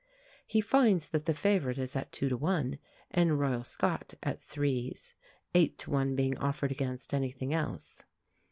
He finds that the favourite is at two to one, and Royal Scot at threes, eight to one being offered against anything else.